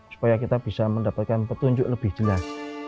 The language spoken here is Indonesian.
supaya kita bisa mendapatkan petunjuk lebih jelas